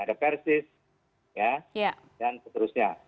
ada persis dan seterusnya